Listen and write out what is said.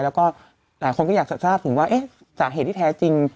แล้วก็หลายคนก็อยากจะทราบถึงว่าสาเหตุที่แท้จริง